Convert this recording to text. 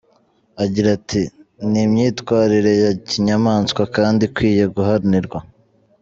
Agira ati “Ni imyitwarire ya kinyamaswa kandi ikwiye guhanirwa.